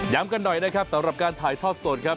กันหน่อยนะครับสำหรับการถ่ายทอดสดครับ